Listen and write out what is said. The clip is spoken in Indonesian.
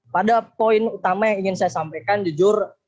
pada poin utama yang ingin saya sampaikan jujur